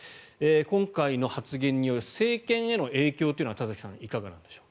今回の発言による政権への影響というのは田崎さん、いかがなんでしょう。